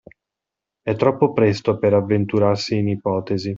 È troppo presto per avventurarsi in ipotesi.